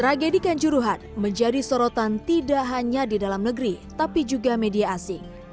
tragedi kanjuruhan menjadi sorotan tidak hanya di dalam negeri tapi juga media asing